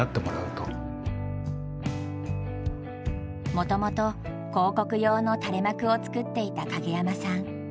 もともと広告用の垂れ幕を作っていた影山さん。